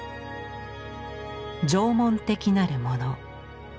「縄文的なるもの」。